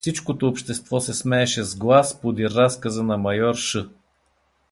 Всичкото общество се смееше с глас подир разказа на майор Ш.